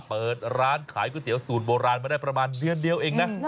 เปิดร้านขายก๋วยเตี๋ยวสูตรโบราณมาได้ประมาณเดือนเดียวเองนะ